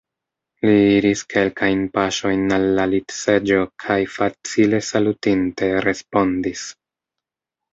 Li iris kelkajn paŝojn al la litseĝo kaj, facile salutinte, respondis: